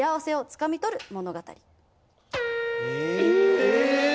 ・え！